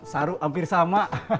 saru hampir sama